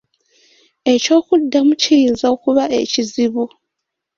Eky’okuddamu kiyinza okuba ekizibu.